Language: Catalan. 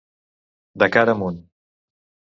De cara amunt.